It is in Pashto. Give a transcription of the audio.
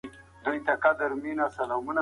ټولنیز نظم به بیرته رامنځته سي.